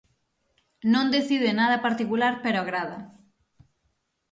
Non decide nada particular pero agrada.